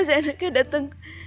seandainya mereka datang